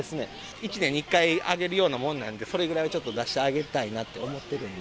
１年に１回あげるようなものなんで、それぐらいはちょっと出してあげたいなって思ってるんで。